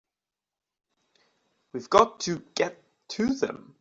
We've got to get to them!